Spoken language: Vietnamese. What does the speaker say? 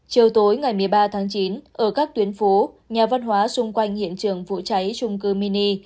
chiều tối ngày một mươi ba tháng chín ở các tuyến phố nhà văn hóa xung quanh hiện trường vụ cháy trung cư mini